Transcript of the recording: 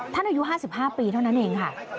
อายุ๕๕ปีเท่านั้นเองค่ะ